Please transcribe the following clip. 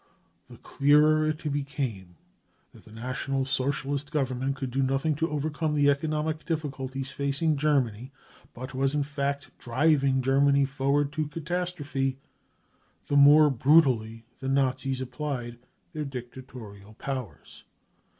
The clearer it became that the National Socialist Government could do nothing to overcome the economic difficulties facing Germany, but was in fact driving Germany forward DESTRUCTION OF WORKERS 9 ORGANISATIONS I57 to catastrophe, the nfore brutally the Nazis applied their dictatorial powers.